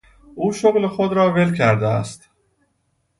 او شغل خود را ول کرده است.